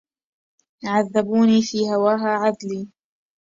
عذبوني في هواها عذلي